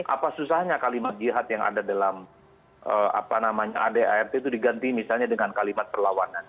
apa susahnya kalimat jihad yang ada dalam adart itu diganti misalnya dengan kalimat perlawanan